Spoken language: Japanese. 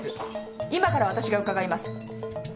今からわたしが伺います！